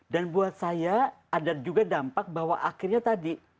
dan buat saya ada juga dampak bahwa akhirnya tadi